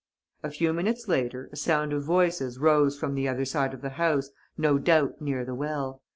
A few minutes later, a sound of voices rose from the other side of the house, no doubt near the well.